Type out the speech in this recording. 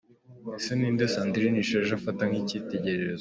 Ese ni nde Sandrine Isheja afata nk’icyitegererezo?.